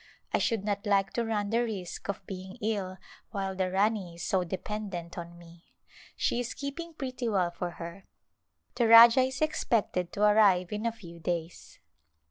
I should not like to run the risk of being ill while the Rani is so dependent on me. She is keeping pretty well for her. The Rajah is expected to arrive in a few days.